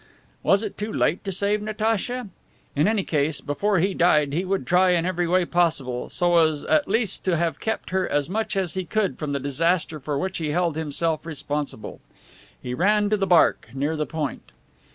Was it too late to save Natacha? In any case, before he died, he would try in every way possible, so as at least to have kept her as much as he could from the disaster for which he held himself responsible. He ran to the Barque, near the Point.